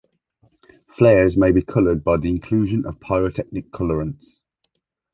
Flares may be colored by the inclusion of pyrotechnic colorants.